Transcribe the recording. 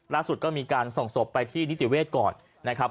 ล่าสุดก็มีการส่งศพไปที่นิติเวศก่อนนะครับ